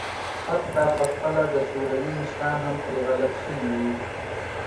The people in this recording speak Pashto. حتی په خپله د شوروي مشران هم پرې غلط شوي وو.